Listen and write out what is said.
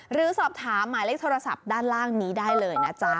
หรือสอบถามหมายเลขโทรศัพท์ด้านล่างนี้ได้เลยนะจ๊ะ